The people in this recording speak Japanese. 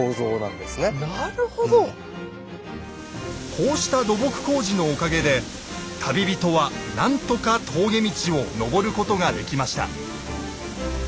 こうした土木工事のおかげで旅人は何とか峠道を上ることができました。